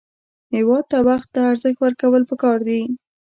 هېواد ته وخت ته ارزښت ورکول پکار دي